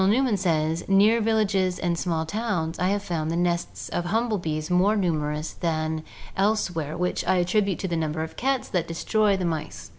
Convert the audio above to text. Newman says, 'Near villages and small towns I have found the nests of humble bees more numerous than else where, which I attribute to the number of cats that destroy the mice.'